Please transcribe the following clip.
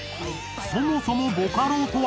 そもそもボカロとは？